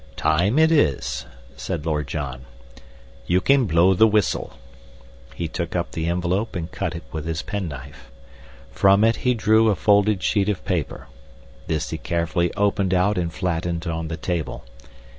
"Time it is," said Lord John. "You can blow the whistle." He took up the envelope and cut it with his penknife. From it he drew a folded sheet of paper. This he carefully opened out and flattened on the table.